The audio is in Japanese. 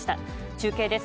中継です。